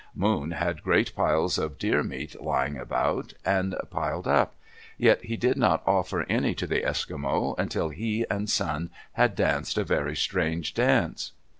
Moon had great piles of deer meat lying about, and piled up; yet he did not offer any to the Eskimo until he and Sun had danced a very strange dance.